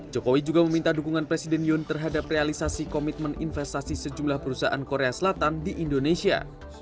jokowi juga meminta dukungan presiden yun terhadap realisasi komitmen investasi sejumlah perusahaan korea selatan di indonesia